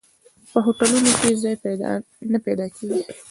په هوټلونو کې ځای نه پیدا کېږي.